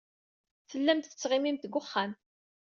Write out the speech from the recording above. Tellamt tettɣimimt deg wexxam.